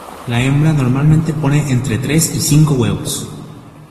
La hembra normalmente pone entre tres y cinco huevos.